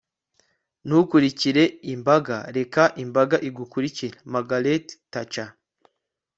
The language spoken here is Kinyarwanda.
ntukurikire imbaga, reka imbaga igukurikire. - margaret thatcher